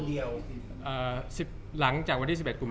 จากความไม่เข้าจันทร์ของผู้ใหญ่ของพ่อกับแม่